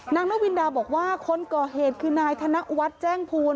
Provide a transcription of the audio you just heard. นางนวินดาบอกว่าคนก่อเหตุคือนายธนวัฒน์แจ้งภูล